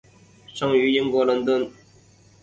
生于英国伦敦。